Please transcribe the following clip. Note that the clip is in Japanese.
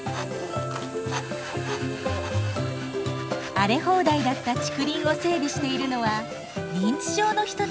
荒れ放題だった竹林を整備しているのは認知症の人たち。